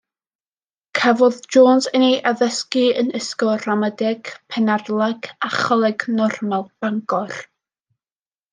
Cafodd Jones yn ei addysgu yn Ysgol Ramadeg Penarlâg a Choleg Normal Bangor.